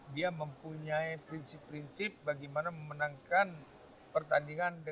dia mempunyai prinsip prinsip bagaimana memenangkan pertandingan